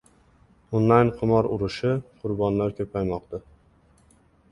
Onlayn qimor urushi: qurbonlar ko‘paymoqda